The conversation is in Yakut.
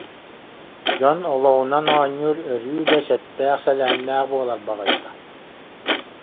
Дьон олоҕунан оонньуур өрүү да сэттээх-сэлээннээх буолар баҕайыта